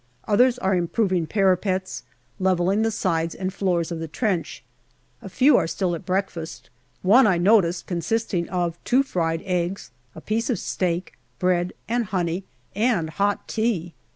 Others are improving parapets, levelling the sides and floors of the trench. A few are still at breakfast one I noticed consisting of two fried eggs, a piece of steak, bread and honey, and hot tea.